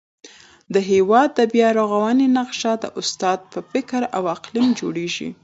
د هېواد د بیارغونې نقشه د استاد په فکر او قلم کي جوړېږي.